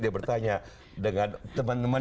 dia bertanya dengan teman teman